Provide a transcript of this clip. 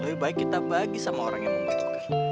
lebih baik kita bagi sama orang yang membutuhkan